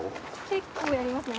結構やりますね